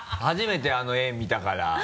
初めてあの絵見たから。